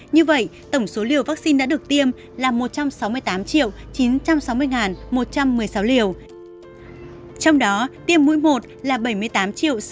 như vậy tổng số liều vaccine đã được tiêm là một trăm sáu mươi tám chín trăm sáu mươi một trăm một mươi sáu liều